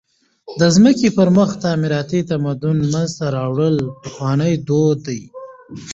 د مځکي پر مخ تعمیراتي تمدن منځ ته راوړل پخوانى دود دئ.